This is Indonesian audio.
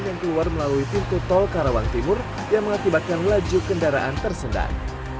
yang keluar melalui pintu tol karawang timur yang mengakibatkan laju kendaraan tersendat